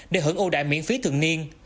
để hưởng ưu đại miễn phí thường niên